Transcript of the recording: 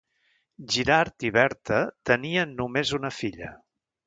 Girard i Berta tenien només una filla.